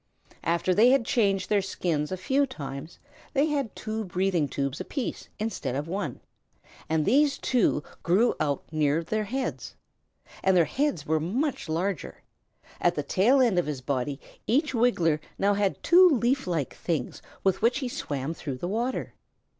After they had changed their skins a few times, they had two breathing tubes apiece instead of one, and these two grew out near their heads. And their heads were much larger. At the tail end of his body each Wiggler now had two leaf like things with which he swam through the water.